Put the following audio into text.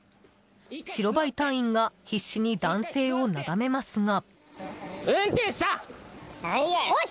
白バイ隊員が必死に男性をなだめますが。